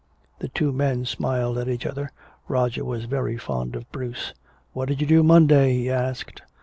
The two men smiled at each other. Roger was very fond of Bruce. "What did you do Monday?" he asked.